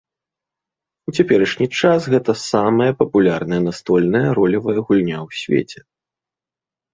У цяперашні час гэта самая папулярная настольная ролевая гульня ў свеце.